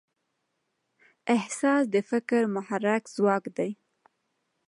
احساس د فکر محرک ځواک دی.